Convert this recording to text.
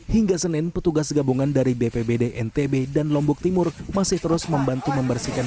hingga senin petugas gabungan dari bpbd ntb dan lombok timur masih terus membantu membersihkan